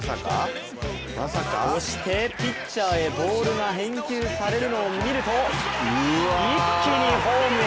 そしてピッチャーへボールが返球されるのを見ると一気にホームへ。